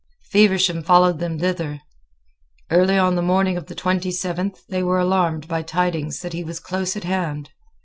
Feversham followed them thither. Early on the morning of the twenty seventh they were alarmed by tidings that he was close at hand.